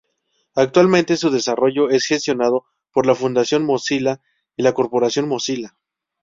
Actualmente su desarrollo es gestionado por la Fundación Mozilla y la Corporación Mozilla.